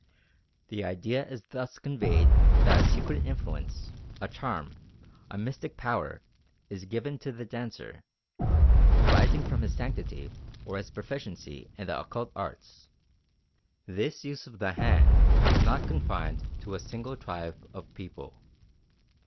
The idea is thus conveyed that a secret influence, a charm, a mystic power, is given to the dancer, arising from his sanctity or his proficiency in the occult arts. This use of the hand is not confined to a single tribe of people.